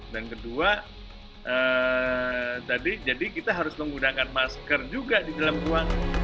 dan kedua jadi kita harus menggunakan masker juga di dalam ruang